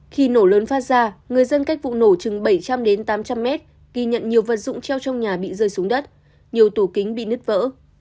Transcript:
khi nổ lớn phát ra người dân cách vụ nổ chừng bảy trăm linh đến tám trăm linh mét ghi nhận nhiều vật dụng treo trong nhà bị rơi xuống đất nhiều tủ kính bị nứt vỡ